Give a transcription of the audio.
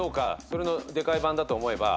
それのでかい版だと思えば。